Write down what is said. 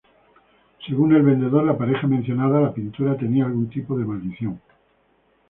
Según el vendedor, la pareja mencionada, la pintura tenía algún tipo de maldición.